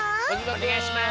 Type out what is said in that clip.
おねがいします。